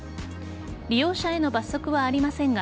利用者への罰則はありませんが